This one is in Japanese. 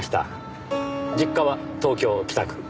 実家は東京北区。